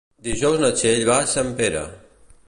Dijous na Txell va a Sempere.